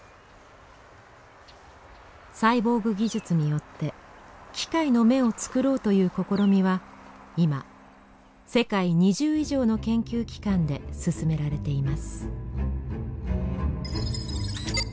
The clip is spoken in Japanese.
サイボーグ技術によって機械の目を作ろうという試みは今世界２０以上の研究機関で進められています。